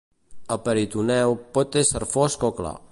El peritoneu pot ésser fosc o clar.